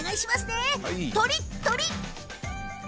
とりっとり！